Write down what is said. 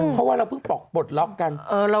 เพราะว่าเราเพิ่งปลดล็อกกัน